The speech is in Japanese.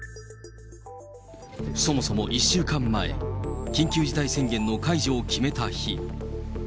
そもそも１週間前、緊急事態宣言の解除を決めた日。